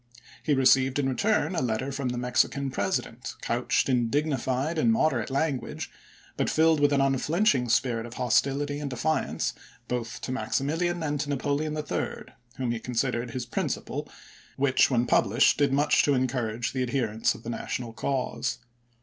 He received in return a letter from the Mexican President, couched in dignified and moderate lan guage, but filled with an unflinching spirit of hostility and defiance, both to Maximilian and to Napoleon III., whom he considered his principal, which when published did much to encourage the adherents of the national cause.